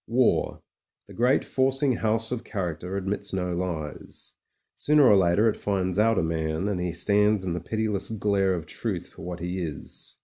War, the great forcing house of character, admits no lies. Sooner or later it finds out a man, and he stands in the pitiless glare of truth for what he is.